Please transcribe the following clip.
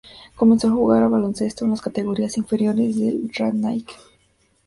Comenzó a jugar a baloncesto en las categorías inferiores del Radnički.